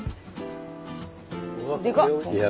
でかっ！